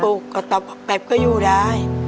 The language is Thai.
ลูกก็ตอบแป๊บก็อยู่ได้